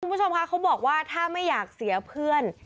คุณผู้ชมคะเขาบอกว่าถ้าไม่อยากเสียเพื่อน